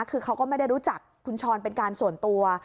คือเขาก็ไม่ได้รู้จักคุณช้อนเป็นการส่วนตัว